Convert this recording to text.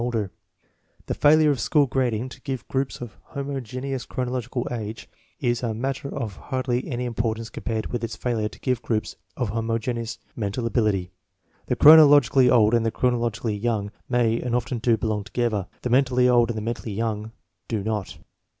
INDIVTOUAL DIFFERENCES 27 The failure of school grading to give groups of homo geneous chronological age is a matter of hardly any importance compared with its failure to give groups of homogeneous mental ability. The chronologically old and the chronologically young may and often do belong together, the mentally old and the mentally young do not.